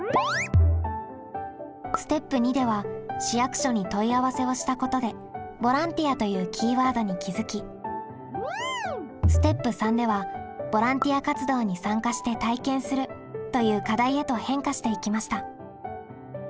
ステップ②では市役所に問い合わせをしたことで「ボランティア」というキーワードに気づきステップ③では「ボランティア活動に参加して体験する」という課題へと変化していきました。